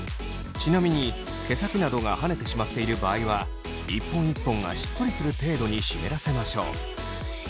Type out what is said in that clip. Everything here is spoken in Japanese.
ちなみに毛先などがはねてしまっている場合は１本１本がしっとりする程度に湿らせましょう。